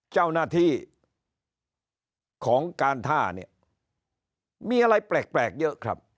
เจ้าหน้าที่ของการท่าเนี่ยมีอะไรแปลกเยอะครับ